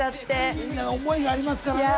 いろんな思いがありますからね。